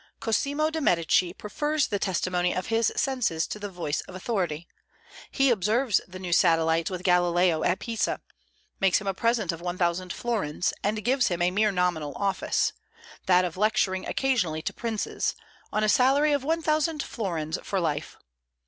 Cosimo de' Medici prefers the testimony of his senses to the voice of authority. He observes the new satellites with Galileo at Pisa, makes him a present of one thousand florins, and gives him a mere nominal office, that of lecturing occasionally to princes, on a salary of one thousand florins for life.